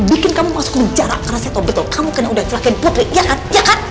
bikin kamu masuk jarak keras atau betul kamu kena udah celakin putri ya kan ya kan